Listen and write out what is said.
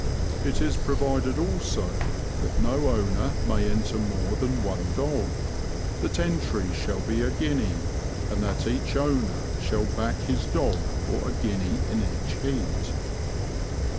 It is provided also that no owner may enter more than one dog, that entries shall be a guinea, and that each owner shall back his dog for a guinea in each heat."